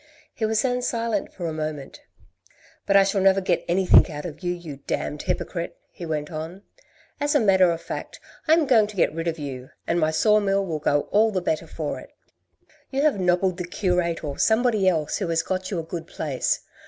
He was then silent for a moment. " But I shall never get anything out of you, you damned hypocrite," he went on. " As a matter of fact, I am going to get rid of you, and my saw mill will go all the better for it. You have nobbled the curate, or somebody else, who has got you a good place.